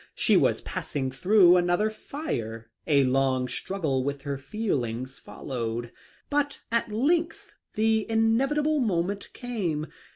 She was passing through another fire. A long struggle with her feelings followed ; but at length the inevitable moment came.